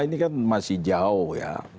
ini kan masih jauh ya